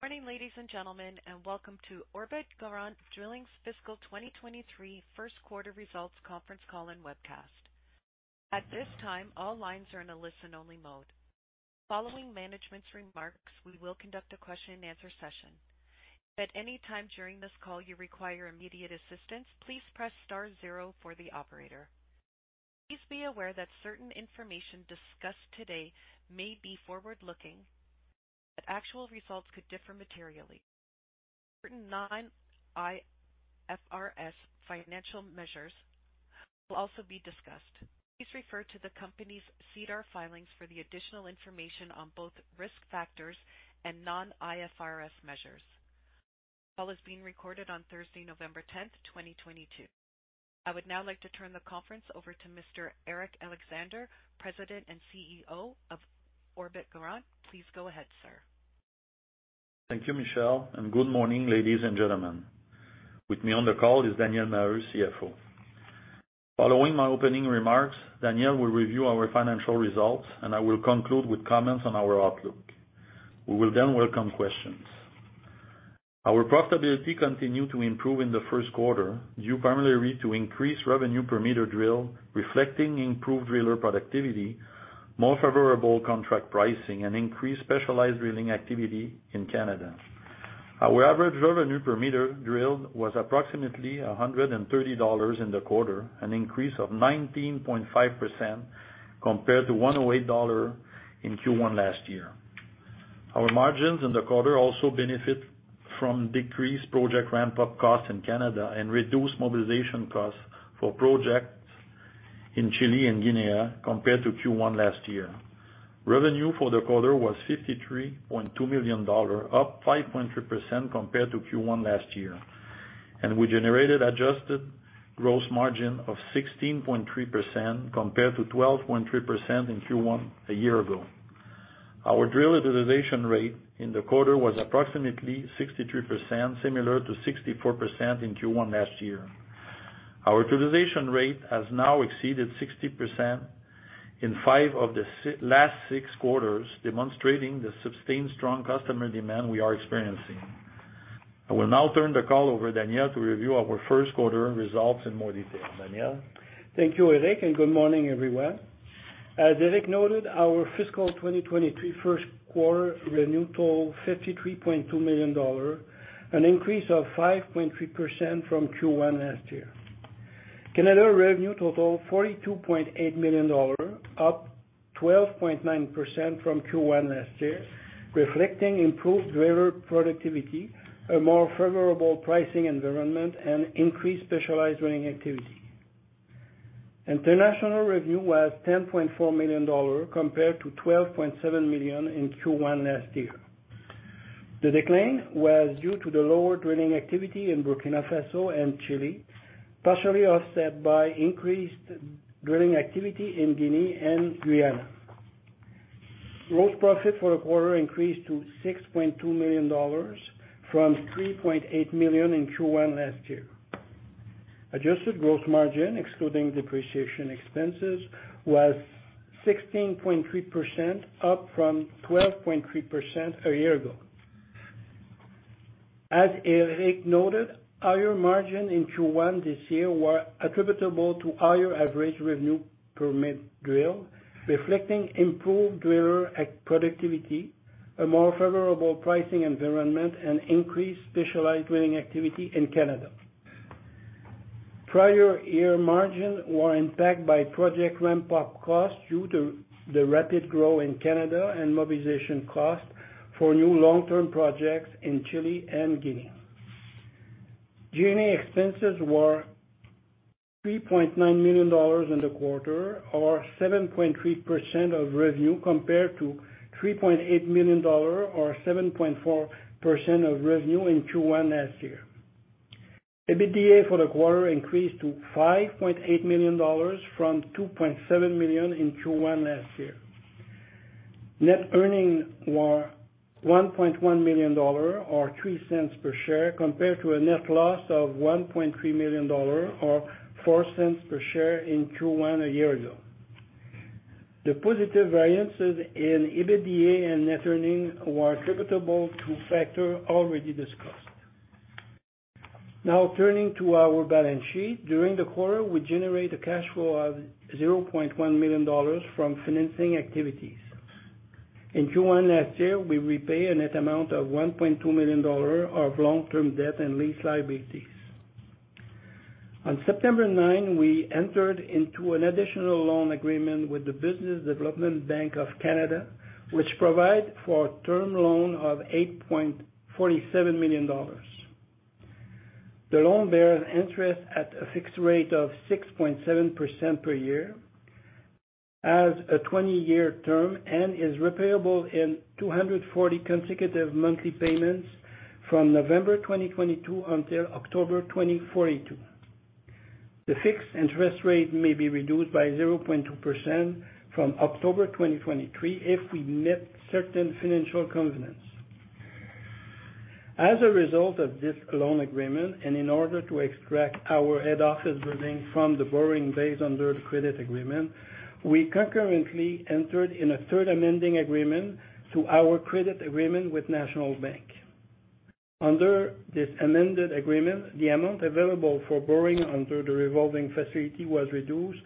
Good morning, ladies and gentlemen, and welcome to Orbit Garant Drilling's Fiscal 2023 First Quarter Results Conference Call and Webcast. At this time, all lines are in a listen-only mode. Following management's remarks, we will conduct a question-and-answer session. If at any time during this call you require immediate assistance, please press star zero for the operator. Please be aware that certain information discussed today may be forward-looking, that actual results could differ materially. Certain non-IFRS financial measures will also be discussed. Please refer to the company's SEDAR filings for the additional information on both risk factors and non-IFRS measures. This call is being recorded on Thursday, November 10, 2022. I would now like to turn the conference over to Mr. Éric Alexandre, President and CEO of Orbit Garant. Please go ahead, sir. Thank you, Michelle, and good morning, ladies and gentlemen. With me on the call is Daniel Maheu, CFO. Following my opening remarks, Daniel will review our financial results, and I will conclude with comments on our outlook. We will then welcome questions. Our profitability continued to improve in the first quarter, due primarily to increased revenue per meter drilled, reflecting improved driller productivity, more favorable contract pricing, and increased specialized drilling activity in Canada. Our average revenue per meter drilled was approximately 130 dollars in the quarter, an increase of 19.5% compared to 108 dollar in Q1 last year. Our margins in the quarter also benefit from decreased project ramp-up costs in Canada and reduced mobilization costs for projects in Chile and Guinea compared to Q1 last year. Revenue for the quarter was 53.2 million dollars, up 5.3% compared to Q1 last year, and we generated adjusted gross margin of 16.3% compared to 12.3% in Q1 a year ago. Our drill utilization rate in the quarter was approximately 63%, similar to 64% in Q1 last year. Our utilization rate has now exceeded 60% in five of the last six quarters, demonstrating the sustained strong customer demand we are experiencing. I will now turn the call over to Daniel Maheu to review our first quarter results in more detail. Daniel Maheu. Thank you, Éric, and good morning, everyone. As Éric noted, our fiscal 2023 first quarter revenue totaled 53.2 million dollars, an increase of 5.3% from Q1 last year. Canada revenue totaled CAD 42.8 million, up 12.9% from Q1 last year, reflecting improved driller productivity, a more favorable pricing environment, and increased specialized drilling activity. International revenue was 10.4 million dollar compared to 12.7 million in Q1 last year. The decline was due to the lower drilling activity in Burkina Faso and Chile, partially offset by increased drilling activity in Guinea and Guyana. Gross profit for the quarter increased to 6.2 million dollars from 3.8 million in Q1 last year. Adjusted gross margin, excluding depreciation expenses, was 16.3%, up from 12.3% a year ago. As Éric noted, higher margin in Q1 this year were attributable to higher average revenue per meter drilled, reflecting improved driller productivity, a more favorable pricing environment, and increased specialized drilling activity in Canada. Prior year margins were impacted by project ramp-up costs due to the rapid growth in Canada and mobilization costs for new long-term projects in Chile and Guinea. G&A expenses were $3.9 million in the quarter, or 7.3% of revenue, compared to $3.8 million or 7.4% of revenue in Q1 last year. EBITDA for the quarter increased to $5.8 million from $2.7 million in Q1 last year. Net earnings were $1.1 million, or $0.03 per share, compared to a net loss of $1.3 million, or $0.04 per share in Q1 a year ago. The positive variances in EBITDA and net earnings were attributable to factors already discussed. Now turning to our balance sheet. During the quarter, we generated a cash flow of 0.1 million dollars from financing activities. In Q1 last year, we repaid a net amount of 1.2 million dollars of long-term debt and lease liabilities. On September 9, we entered into an additional loan agreement with the Business Development Bank of Canada, which provide for a term loan of 8.47 million dollars. The loan bears interest at a fixed rate of 6.7% per year, has a 20-year term, and is repayable in 240 consecutive monthly payments from November 2022 until October 2042. The fixed interest rate may be reduced by 0.2% from October 2023 if we meet certain financial covenants. As a result of this loan agreement, and in order to extract our head office building from the borrowing base under the credit agreement, we concurrently entered in a third amending agreement to our credit agreement with National Bank. Under this amended agreement, the amount available for borrowing under the revolving facility was reduced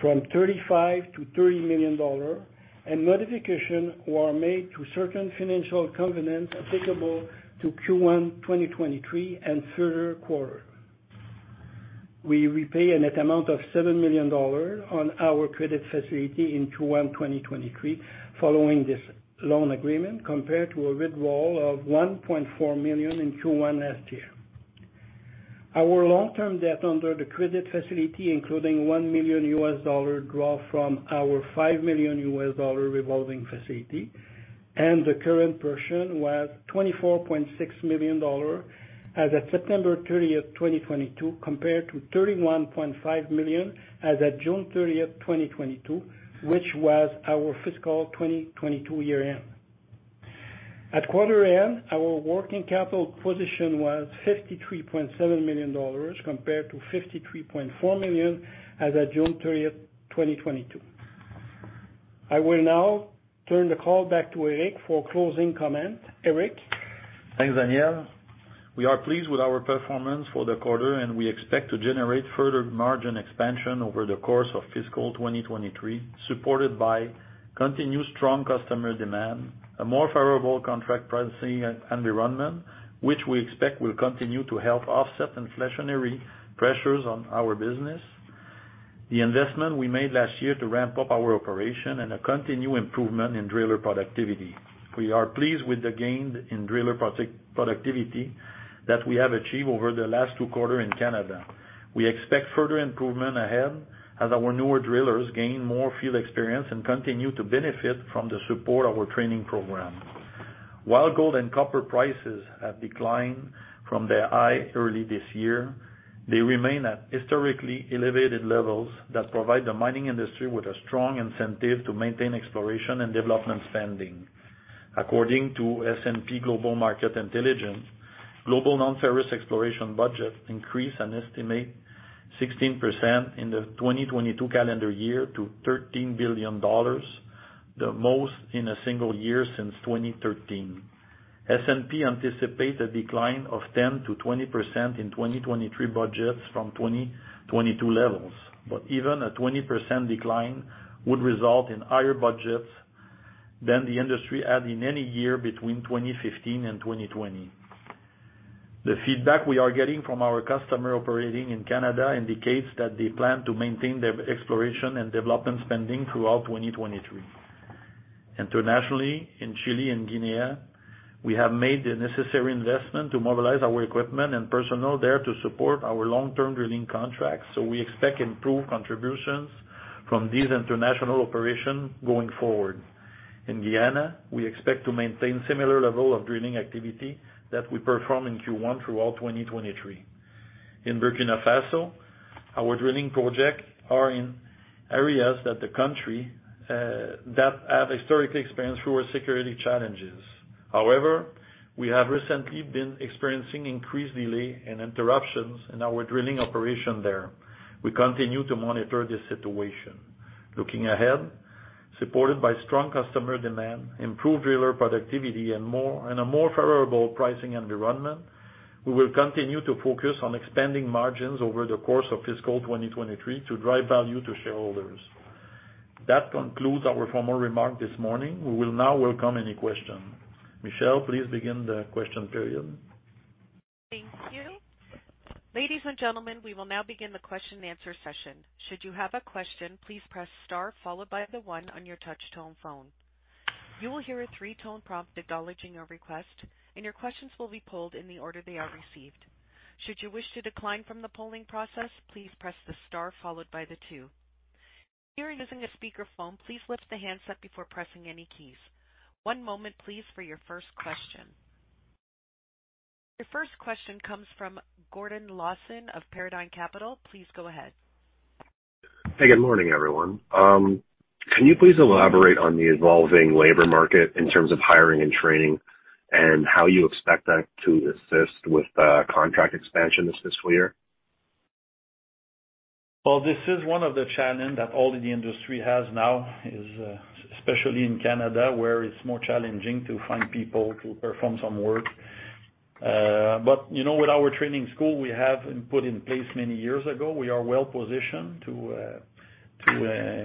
from 35 million to 30 million dollars, and modifications were made to certain financial covenants applicable to Q1 2023 and further quarters. We repay a net amount of 7 million dollars on our credit facility in Q1 2023 following this loan agreement, compared to a withdrawal of 1.4 million in Q1 last year. Our long-term debt under the credit facility, including $1 million draw from our $5 million revolving facility, and the current portion was 24.6 million dollars as at September 30th, 2022, compared to 31.5 million as at June 30th, 2022, which was our fiscal 2022 year end. At quarter end, our working capital position was 53.7 million dollars compared to 53.4 million as at June 30th, 2022. I will now turn the call back to Éric for closing comments. Éric? Thanks, Daniel. We are pleased with our performance for the quarter, and we expect to generate further margin expansion over the course of fiscal 2023, supported by continued strong customer demand, a more favorable contract pricing environment, which we expect will continue to help offset inflationary pressures on our business, the investment we made last year to ramp up our operation and a continued improvement in driller productivity. We are pleased with the gains in driller productivity that we have achieved over the last two quarters in Canada. We expect further improvement ahead as our newer drillers gain more field experience and continue to benefit from the support of our training program. While gold and copper prices have declined from their highs early this year, they remain at historically elevated levels that provide the mining industry with a strong incentive to maintain exploration and development spending. According to S&P Global Market Intelligence, global non-ferrous exploration budget increased an estimated 16% in the 2022 calendar year to $13 billion, the most in a single year since 2013. S&P anticipate a decline of 10%-20% in 2023 budgets from 2022 levels. Even a 20% decline would result in higher budgets than the industry had in any year between 2015 and 2020. The feedback we are getting from our customer operating in Canada indicates that they plan to maintain their exploration and development spending throughout 2023. Internationally, in Chile and Guinea, we have made the necessary investment to mobilize our equipment and personnel there to support our long-term drilling contracts, so we expect improved contributions from these international operations going forward. In Guyana, we expect to maintain similar level of drilling activity that we perform in Q1 throughout 2023. In Burkina Faso, our drilling projects are in areas that have historically experienced fewer security challenges. However, we have recently been experiencing increased delay and interruptions in our drilling operation there. We continue to monitor this situation. Looking ahead, supported by strong customer demand, improved driller productivity, and a more favorable pricing environment, we will continue to focus on expanding margins over the course of fiscal 2023 to drive value to shareholders. That concludes our formal remarks this morning. We will now welcome any questions. Michelle, please begin the question period. Thank you. Ladies and gentlemen, we will now begin the question and answer session. Should you have a question, please press star followed by the one on your touch tone phone. You will hear a three-tone prompt acknowledging your request, and your questions will be polled in the order they are received. Should you wish to decline from the polling process, please press the star followed by the two. If you are using a speakerphone, please lift the handset before pressing any keys. One moment please for your first question. Your first question comes from Gordon Lawson of Paradigm Capital. Please go ahead. Hey, good morning, everyone. Can you please elaborate on the evolving labor market in terms of hiring and training and how you expect that to assist with contract expansion this fiscal year? Well, this is one of the challenges that all the industry has now, especially in Canada, where it's more challenging to find people to perform some work. You know, with our training school we have put in place many years ago, we are well positioned to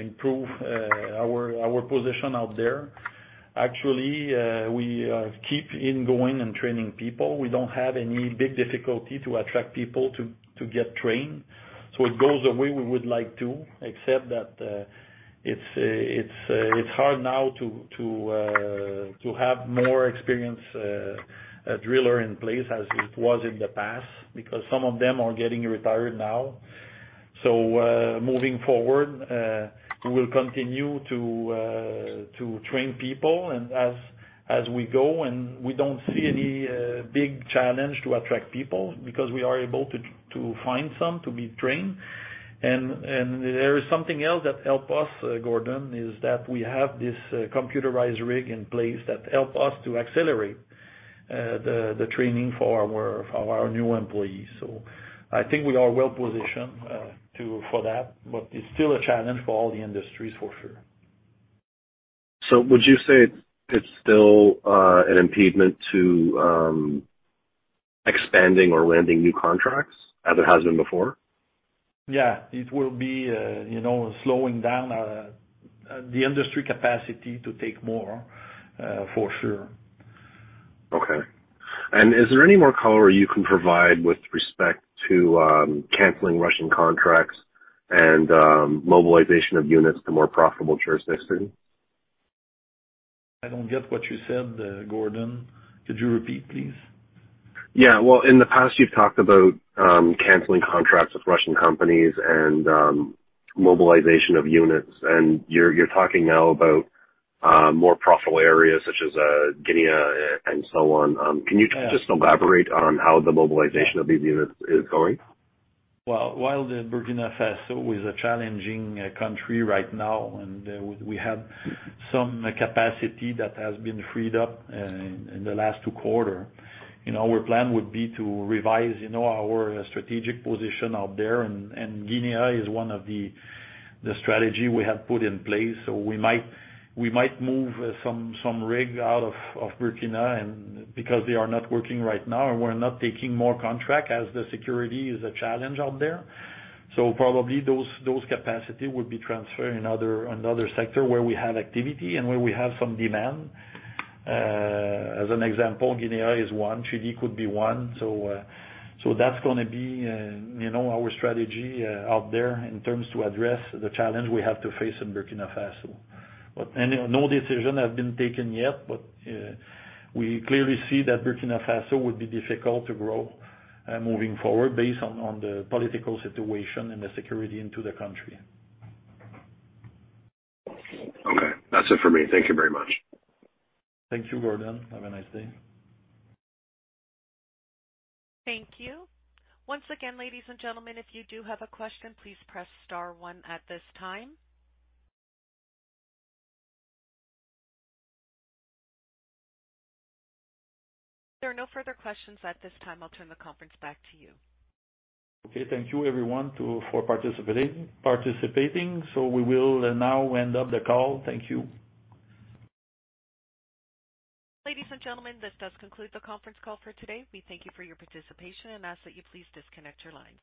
improve our position out there. Actually, we keep on going and training people. We don't have any big difficulty to attract people to get trained. It goes the way we would like to, except that it's hard now to have more experienced drillers in place as it was in the past, because some of them are getting retired now. Moving forward, we will continue to train people and as we go, and we don't see any big challenge to attract people because we are able to find some to be trained. There is something else that help us, Gordon, is that we have this computerized rig in place that help us to accelerate the training for our new employees. I think we are well-positioned for that, but it's still a challenge for all the industries, for sure. Would you say it's still an impediment to expanding or landing new contracts as it has been before? Yeah. It will be, you know, slowing down the industry capacity to take more, for sure. Okay. Is there any more color you can provide with respect to canceling Russian contracts and mobilization of units to more profitable jurisdictions? I don't get what you said, Gordon. Could you repeat, please? Yeah. Well, in the past, you've talked about canceling contracts with Russian companies and mobilization of units. You're talking now about more profitable areas such as Guinea and so on. Can you just elaborate on how the mobilization of these units is going? Well, while Burkina Faso is a challenging country right now, and we have some capacity that has been freed up in the last two quarter, you know, our plan would be to revise, you know, our strategic position out there. Guinea is one of the strategy we have put in place. We might move some rig out of Burkina and because they are not working right now and we're not taking more contract as the security is a challenge out there. Probably those capacity would be transferred in another sector where we have activity and where we have some demand. As an example, Guinea is one. Chile could be one. That's gonna be, you know, our strategy out there in terms to address the challenge we have to face in Burkina Faso. No decision has been taken yet. We clearly see that Burkina Faso would be difficult to grow moving forward based on the political situation and the security in the country. Okay. That's it for me. Thank you very much. Thank you, Gordon. Have a nice day. Thank you. Once again, ladies and gentlemen, if you do have a question, please press star one at this time. There are no further questions at this time. I'll turn the conference back to you. Okay. Thank you everyone for participating. We will now end up the call. Thank you. Ladies and gentlemen, this does conclude the conference call for today. We thank you for your participation and ask that you please disconnect your lines.